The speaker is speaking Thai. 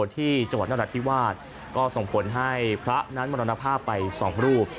ที่เจาะนาฏิวาสก็ส่งผลให้พระนั้นมารรนภะพ์ไป๒รูป